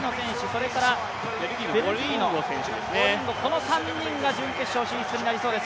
それからベルギーのボリンゴ、この３人が準決勝進出となりそうです。